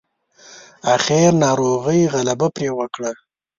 اخير ناروغۍ غلبه پرې وکړه.